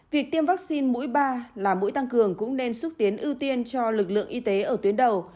việc tiêm vaccine mũi ba là mũi tăng cường cũng nên xúc tiến ưu tiên cho lực lượng y tế ở tuyến đầu